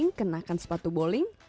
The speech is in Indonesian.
yang paling penting kenakan sepatu bowling